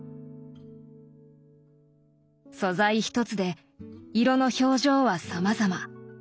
素材一つで色の表情はさまざま。